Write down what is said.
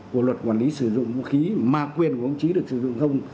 của luật quản lý sử dụng vũ khí mà quyền của đồng chí được sử dụng không